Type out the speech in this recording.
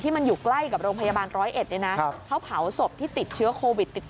มันอยู่ใกล้กับโรงพยาบาล๑๐๑เขาเผาศพที่ติดเชื้อโควิด๑๙